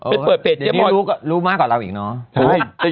เป็นเปิดเพจเจ๊มอยด์รู้มากกว่าเราอีกเนาะ